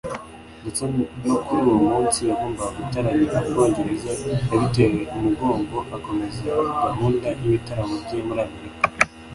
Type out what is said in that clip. ndetse no kuri uwo munsi yagombaga gutaramira mu Bwongereza yabiteye umugongo akomeza gahunda y’ibitaramo bye muri Amerika